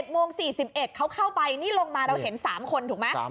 โมง๔๑เขาเข้าไปนี่ลงมาเราเห็น๓คนถูกไหม